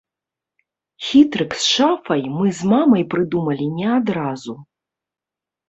Хітрык з шафай мы з мамай прыдумалі не адразу.